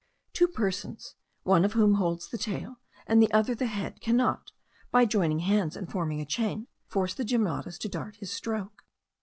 Two persons, one of whom holds the tail, and the other the head, cannot, by joining hands and forming a chain, force the gymnotus to dart his stroke.